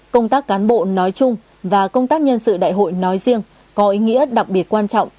công tác cán bộ nói chung và công tác nhân sự đại hội nói riêng có ý nghĩa đặc biệt quan trọng